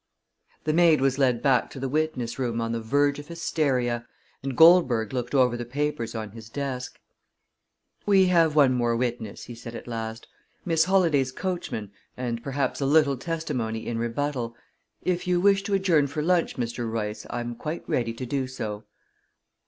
The maid was led back to the witness room on the verge of hysteria, and Goldberg looked over the papers on his desk. "We have one more witness," he said at last, "Miss Holladay's coachman, and perhaps a little testimony in rebuttal. If you wish to adjourn for lunch, Mr. Royce, I'm quite ready to do so."